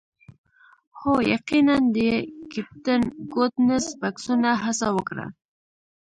هو یقیناً د کیپټن ګوډنس بکسونه هڅه وکړه